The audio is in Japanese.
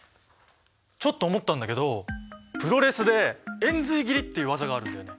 ちょっと思ったんだけどプロレスで延髄斬りっていう技があるんだよね。